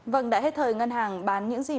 vâng đã hết thời ngân hàng bán những gì mình có